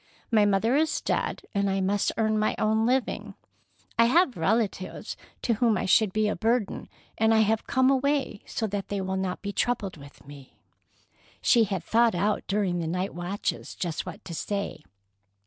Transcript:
"My mother is dead, and I must earn my own living. I have relatives to whom I should be a burden, and I have come away so that they will not be troubled with me." She had thought out during the night watches just what to say.